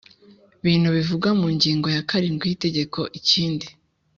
bintu bivugwa mu ngingo ya karindwi y Itegeko Ikindi